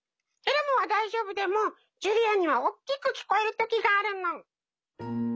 エルモは大丈夫でもジュリアにはおっきく聞こえる時があるの。